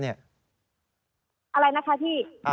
อะไรนะคะพี่